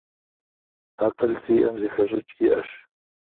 Акъыл зиӀэм, зэхэщӀыкӀ иӀэщ.